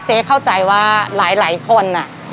เข้าใจว่าหลายคน